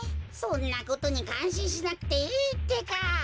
そんなことにかんしんしなくていいってか。